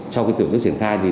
trong khi tổ chức triển khai